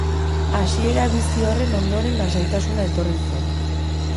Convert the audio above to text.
Hasiera bizi horren ondoren lasaitasuna etorri zen.